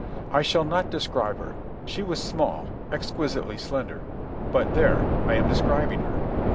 I shall not describe her. She was small, exquisitely slender—but there, I am describing her.